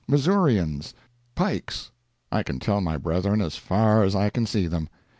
Missourians—Pikes—I can tell my brethren as far as I can see them.